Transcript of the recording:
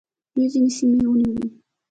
دوی ځینې سیمې ونیولې